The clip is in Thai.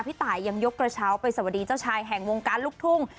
พี่ตายยังยกกระเช้าไปสวัสดีเจ้าชายแห่งวงการลูกทุ่ง